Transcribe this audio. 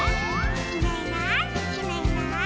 「いないいないいないいない」